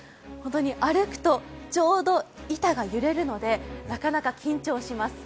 歩くとちょうど板が揺れるのでなかなか緊張します。